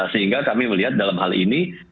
sehingga kami melihat dalam hal ini